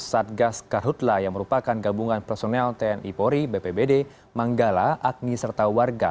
satgas karhutla yang merupakan gabungan personel tni pori bpbd manggala agni serta warga